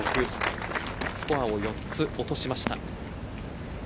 スコアを４つ落としました。